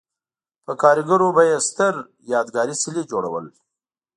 په کارګرو به یې ستر یادګاري څلي جوړول